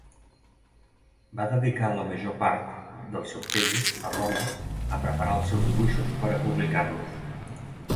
Va dedicar la major part del seu temps a Roma a preparar els seus dibuixos per a publicar-los.